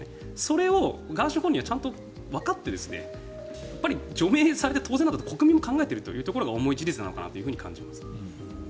それをガーシー本人もちゃんとわかって除名されて当然だと国民も考えているというのが重い事実なのかなと感じます。